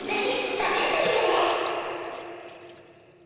試してみてね！